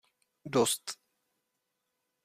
Dost!